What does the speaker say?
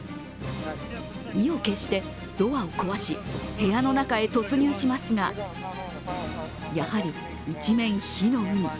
意を決してドアを壊し部屋の中に突入しますがやはり一面、火の海。